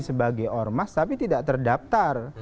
sebagai ormas tapi tidak terdaftar